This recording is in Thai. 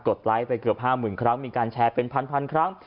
ไลค์ไปเกือบ๕๐๐๐ครั้งมีการแชร์เป็นพันครั้ง